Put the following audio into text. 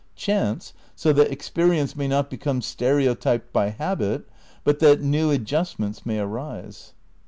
Chance so that experience may not become stereotyped by habit, but that new adjustments may arise.